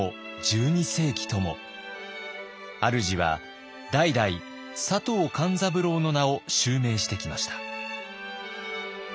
あるじは代々佐藤勘三郎の名を襲名してきました。